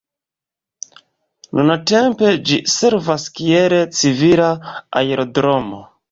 Nuntempe ĝi servas kiel civila aerodromo.